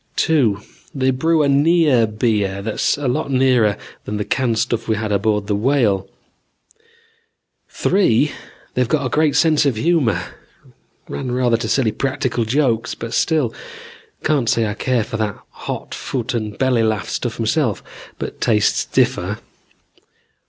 "Two, they brew a near beer that's a lot nearer than the canned stuff we had aboard the Whale. "Three, they've a great sense of humor. Ran rather to silly practical jokes, but still. Can't say I care for that hot foot and belly laugh stuff myself, but tastes differ.